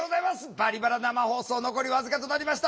「バリバラ」生放送残り僅かとなりました。